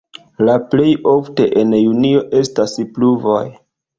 La plej ofte en junio estas pluvoj.